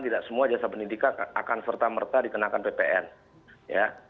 tidak semua jasa pendidikan akan serta merta dikenakan ppn ya